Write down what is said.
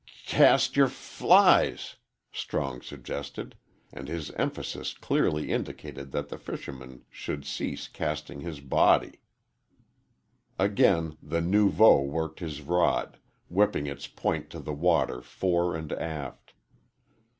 "C cast yer f flies," Strong suggested, and his emphasis clearly indicated that the fisherman should cease casting his body. Again the nouveau worked his rod, whipping its point to the water fore and aft.